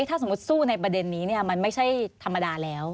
ถ้าสมมุติสู้ในประเด็นนี้มันไม่ใช่ธรรมดาแล้ว